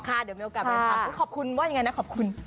เดี๋ยวมีโอกาสไปถามขอบคุณว่ายังไงนะขอบคุณ